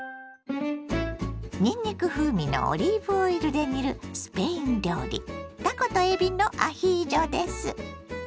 にんにく風味のオリーブオイルで煮るスペイン料理たことえびのアヒージョです。